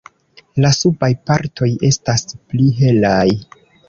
La subaj partoj estas pli helaj.